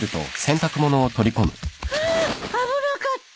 ハァ危なかった。